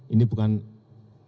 ini bukan hal yang terjadi